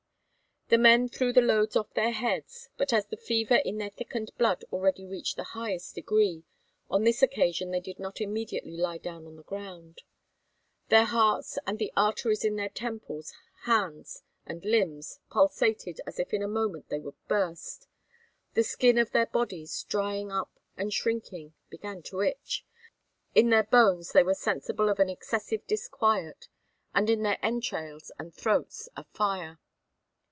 The men threw the loads off their heads, but as the fever in their thickened blood already reached the highest degree, on this occasion they did not immediately lie down on the ground. Their hearts and the arteries in their temples, hands, and limbs pulsated as if in a moment they would burst. The skin of their bodies, drying up and shrinking, began to itch; in their bones they were sensible of an excessive disquiet and in their entrails and throats a fire.